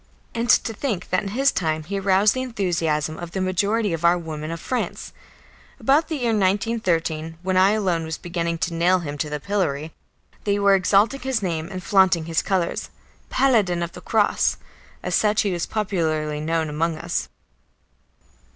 And to think that in his time he aroused the enthusiasm of the majority of our women of France! About the year 1913, when I alone was beginning to nail him to the pillory, they were exalting his name and flaunting his colours. "Paladin of the Cross" as such he was popularly known among us.